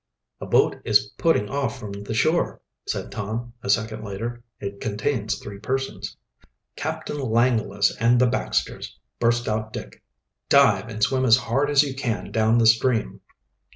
"A boat is putting off from the shore," said Tom, a second later. "It contains three persons." "Captain Langless and the Baxters!" burst out Dick. "Dive, and swim as hard as you can down the stream."